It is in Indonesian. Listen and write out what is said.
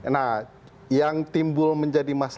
nah yang timbul menjadi masalah